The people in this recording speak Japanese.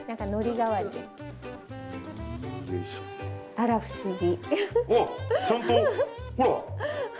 あら不思議。